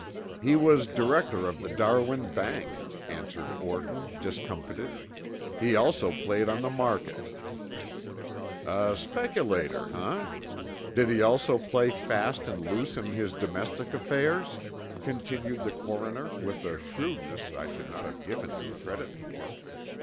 "He was director of the Darwin Bank," answered Orton, discomfited. "He also played on the market." "A speculator, eh? Did he also play fast and loose in his domestic affairs?" continued the coroner with a shrewdness I should not have given him credit for.